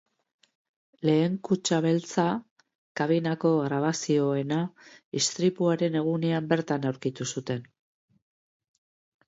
Lehen kutxa beltza, kabinako grabazioena, istripuaren egunean bertan aurkitu zuten.